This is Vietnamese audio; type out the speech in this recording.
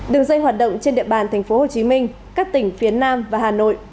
đường dây hoạt động trên địa bàn thành phố hồ chí minh các tỉnh phía nam và hà nội